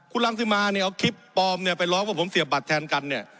คุณรังสิมาเนี่ยเอาคลิปปลอมเนี่ยไปร้องว่าผมเสียบบัตรแทนกันเนี่ย